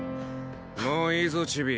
もういいぞチビ。